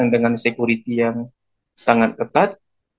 dengan security yang sangat ketat